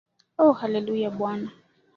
Oh Hallelujah, Bwana